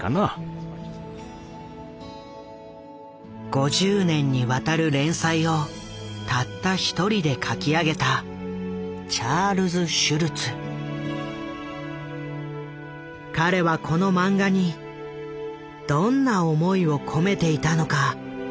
５０年にわたる連載をたった一人で描き上げた彼はこのマンガにどんな思いを込めていたのか？